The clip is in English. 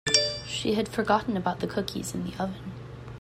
She had forgotten about the cookies in the oven.